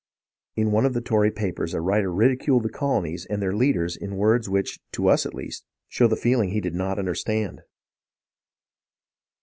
In one of the Tory papers a writer ridiculed the colonies and their leaders in words which, to us at least, show the feeling he did not understand.